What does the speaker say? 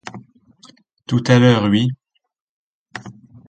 Tout à l'heure, oui.